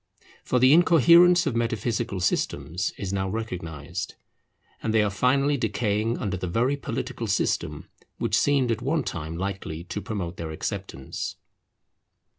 For the incoherence of metaphysical systems is now recognized, and they are finally decaying under the very political system which seemed at one time likely to promote their acceptance.